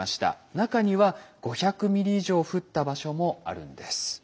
中には５００ｍｍ以上降った場所もあるんです。